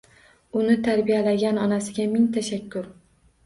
Uni tarbiyalagan onasiga ming tashakkur!